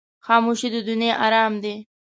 خاموشي، د دنیا آرام دی.